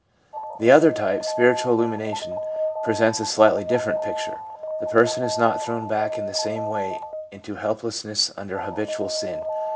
The other type, ' spiritual illumination/ presents a slightly different picture. The person is not thrown back in the same way into helplessness under habitual sin.